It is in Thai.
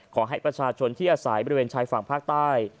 ขอให้ประชาชนที่อาศัยบริเวณชายฝั่งภาคใต้